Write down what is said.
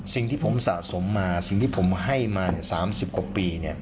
สิ่งที่ผมสะสมมาสิ่งที่ผมให้มา๓๐กว่าปี